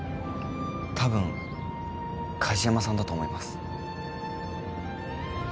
たぶん梶山さんだと思います。